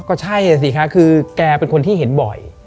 ก็ใช่สิคะคือแกเป็นคนที่เห็นบ่อย